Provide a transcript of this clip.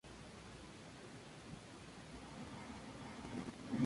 Idoia Elorza, oriunda de Azpeitia.